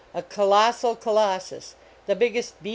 A Colossal Colossus ! the biggest Ix u.